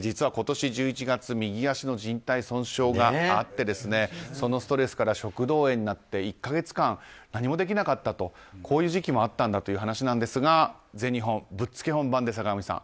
実は、今年１１月右足のじん帯損傷があってそのストレスから食道炎になって１か月間何もできなかったとこういう時期もあったという話ですが全日本、ぶっつけ本番で坂上さん